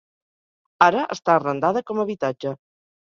Ara està arrendada com habitatge.